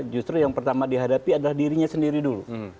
justru yang pertama dihadapi adalah dirinya sendiri dulu